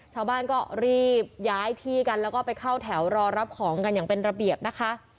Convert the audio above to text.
ชาวบ้านก็รีบย้ายที่กันแล้วก็ไปเข้าแถวรอรับของกันอย่างเป็นระเบียบนะคะ